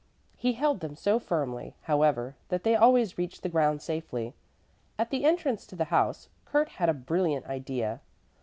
He held them so firmly, however, that they always reached the ground safely. At the entrance to the house Kurt had a brilliant idea.